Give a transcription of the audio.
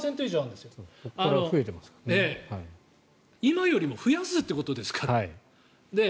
今よりも増やすということですから。